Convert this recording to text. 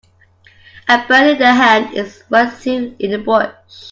A bird in the hand is worth two in the bush.